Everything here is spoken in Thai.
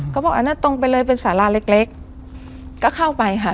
เขาบอกอ่านั่นตรงไปเลยเป็นสาราเล็กเล็กก็เข้าไปค่ะ